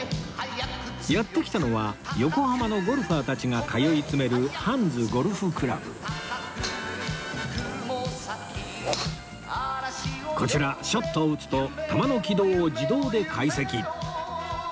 やって来たのは横浜のゴルファーたちが通い詰めるこちらショットを打つと球の軌道を自動で解析